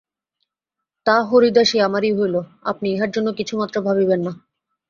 তা, হরিদাসী আমারই হইল, আপনি ইহার জন্য কিছুমাত্র ভাবিবেন না।